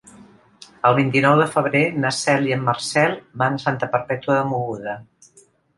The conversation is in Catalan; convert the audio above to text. El vint-i-nou de febrer na Cel i en Marcel van a Santa Perpètua de Mogoda.